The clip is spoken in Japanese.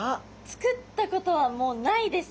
作ったことはもうないですね。